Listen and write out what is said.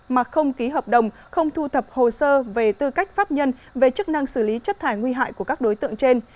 mà không ký hợp đồng không thu thập hồ sơ về tư cách pháp nhân về chức năng xử lý chất thải nguy hại của các đối tượng trên